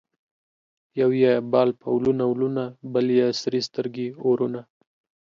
یو یې بال په ولونه ولونه ـ بل یې سرې سترګې اورونه